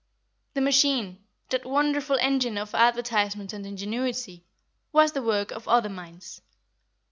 The machine, that wonderful engine of advertisement and ingenuity, was the work of other minds.